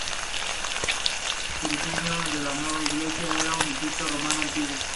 El diseño de la nueva iglesia era de estilo romano antiguo.